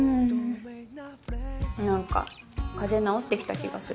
なんか風邪治ってきた気がする。